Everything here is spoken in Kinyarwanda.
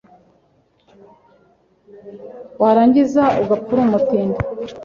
warangiza ugapfa uri umutindi